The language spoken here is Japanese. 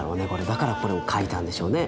だからこれを描いたんでしょうね。